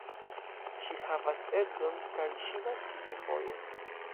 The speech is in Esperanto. Ŝi havas edzon kaj ŝi naskis dufoje.